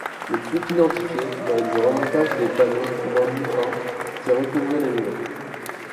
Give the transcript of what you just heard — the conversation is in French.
Il fut identifié lors du remontage des panneaux d'enduits peints qui recouvraient les murs.